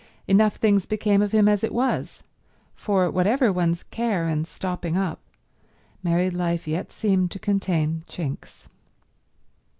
Enough things became of him as it was; for whatever one's care in stopping up, married life yet seemed to contain chinks.